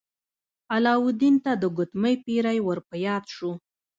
علاوالدین ته د ګوتمۍ پیری ور په یاد شو.